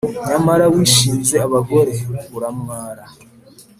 Nyamara wishinze abagore, uramwara